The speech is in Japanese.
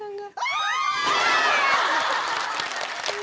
あ！